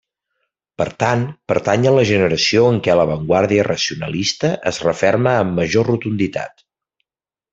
Per tant, pertany a la generació en què l'avantguarda racionalista es referma amb major rotunditat.